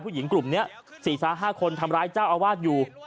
ผู้หญิงกลุ่มเนี้ยสี่สามห้าคนทำร้ายเจ้าอาวาสอยู่